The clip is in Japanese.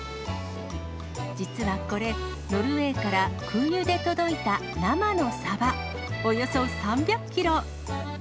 実はこれ、ノルウェーから空輸で届いた、生のサバおよそ３００キロ。